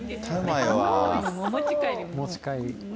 お持ち帰りね。